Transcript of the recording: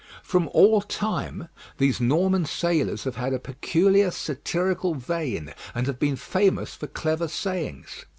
From all time these Norman sailors have had a peculiar satirical vein, and have been famous for clever sayings.